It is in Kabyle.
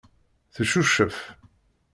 Teccucef.